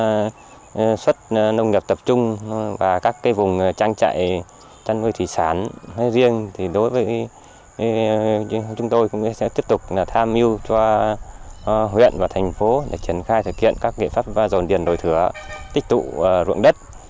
để tiếp tục phát triển các vùng sản xuất nông nghiệp tập trung và các vùng trang trại trăn vơi thủy sản hay riêng thì đối với chúng tôi cũng sẽ tiếp tục tham mưu cho huyện và thành phố để triển khai thực hiện các nghiệp pháp và dồn điền đổi thửa tích tụ ruộng đất